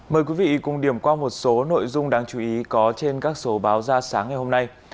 mời quý vị cùng điểm qua một số nội dung đáng chú ý có trên các số báo ra sáng ngày hôm nay